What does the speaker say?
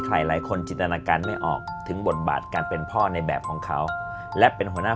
หลายคนจินตนาการไม่ออกถึงบทบาทการเป็นพ่อในแบบของเขาและเป็นหัวหน้า